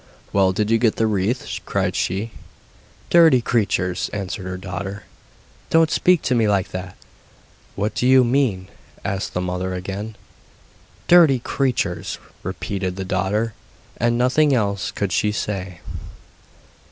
'Well, did you get the wreath?' cried she. 'Dirty creatures!' answered her daughter. 'Don't speak to me like that! What do you mean?' asked the mother again. 'Dirty creatures!' repeated the daughter, and nothing else could she say.